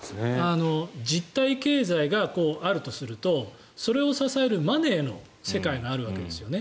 実体経済があるとするとそれを支えるマネーの世界があるわけですね。